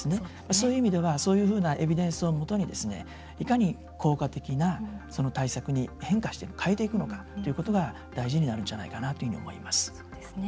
そういう意味ではそういうふうなエビデンスをもとにいかに効果的な対策に変えていくのかということが大事になるんじゃないかなというふうに思います。